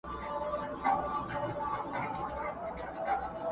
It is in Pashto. چي په ځان كي دا جامې د لوى سلطان سي.!